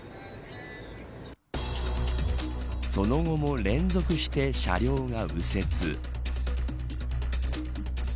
その後も連続して車両が右折。